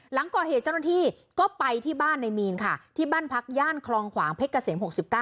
หลังก่อเหตุเจ้าหน้าที่ก็ไปที่บ้านในมีนค่ะที่บ้านพักย่านคลองขวางเพชรเกษม๖๙